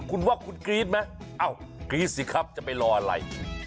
คุณว่าคุณกรี๊ดไหมเอ้ากรี๊ดสิครับจะไปรออะไร